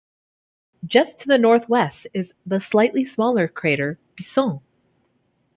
Just to the northwest is the slightly smaller crater Buisson.